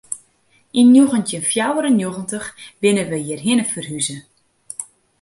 Yn njoggentjin fjouwer en njoggentich binne we hjirhinne ferhûze.